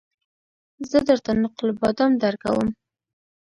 زه درته نقل بادام درکوم